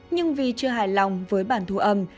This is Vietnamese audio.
nhưng vì chưa hài lòng với bản thu âm